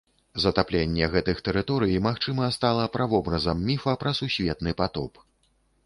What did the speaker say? Затапленне гэтых тэрыторый, магчыма, стала правобразам міфа пра сусветны патоп.